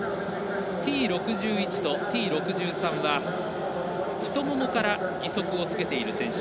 Ｔ６１とＴ６３は太ももから義足をつけている選手。